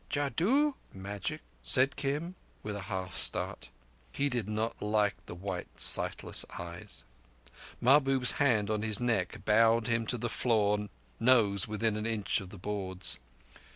"Jadoo? (magic),"said Kim, with a half start. He did not like the white, sightless eyes. Mahbub's hand on his neck bowed him to the floor, nose within an inch of the boards.